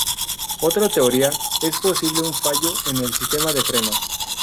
Otra teoría es un posible fallo en el sistema de frenos.